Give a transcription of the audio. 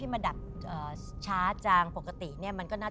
มีคน